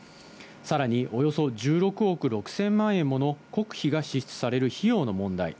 さらに、およそ１６億６０００万円もの国費が支出される費用の問題。